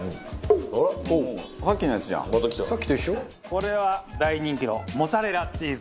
これは大人気の。